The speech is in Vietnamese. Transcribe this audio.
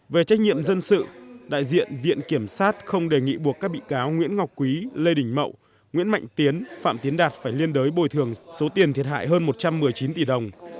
về trách nhiệm dân sự đại diện viện kiểm sát không đề nghị buộc các bị cáo nguyễn ngọc quý lê đình mậu nguyễn mạnh tiến phạm tiến đạt phải liên đới bồi thường số tiền thiệt hại hơn một trăm một mươi chín tỷ đồng